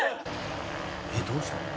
「えっどうしたの？」